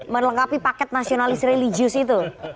melengkapi paket nasionalis religius itu